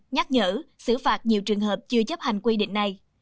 nhắc nhở xử phạt nhiều trường hợp chưa chấp hành quy định này